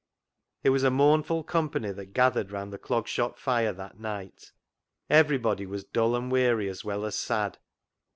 It was a mournful company that gathered round the Clog Shop fire that night. Every body was dull and weary as well as sad.